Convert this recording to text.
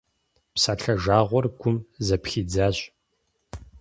Псалъэ жагъуэр гум зэпхидзащ.